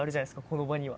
この場には。